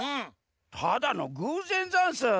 ただのぐうぜんざんす。